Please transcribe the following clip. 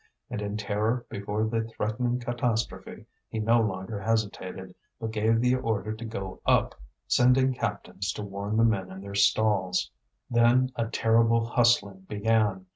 And in terror before the threatening catastrophe, he no longer hesitated, but gave the order to go up, sending captains to warn the men in their stalls. Then a terrible hustling began.